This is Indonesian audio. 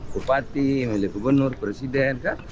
bupati milih gubernur presiden kan